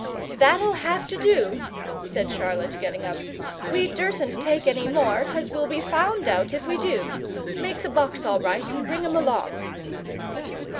"That'll have to do," said Charlotte, getting up. "We dursn't take any more, 'cos we'll be found out if we do. Make the box all right, and bring 'em along."